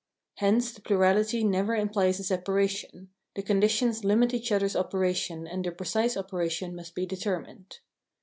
Hence their plurality never implies a separation ; the conditions limit each other's operation and their precise operation must be determined.